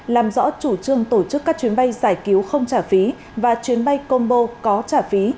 làm rõ chủ trương tổ chức các chuyến bay giải cứu không trả phí và chuyến bay combo có trả phí